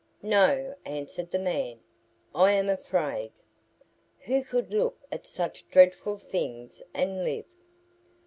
"No," answered the man, "I am afraid. Who could look at such dreadful things and live?"